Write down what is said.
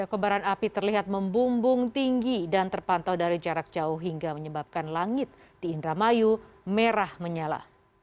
kebaran api terlihat membumbung tinggi dan terpantau dari jarak jauh hingga menyebabkan langit di indramayu merah menyala